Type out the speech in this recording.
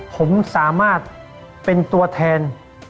ผมสามารถเป็นตัวแทน